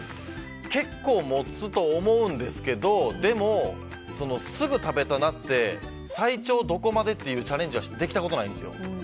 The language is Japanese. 結構、もつと思うんですけどでも、すぐ食べたくなって最長、どこまでっていうチャレンジはできたことないんですよ。